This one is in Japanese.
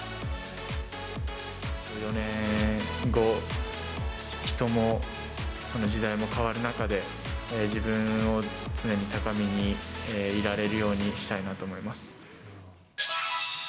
４年後、人も時代も変わる中で、自分を常に高みにいられるようにしたいなと思います。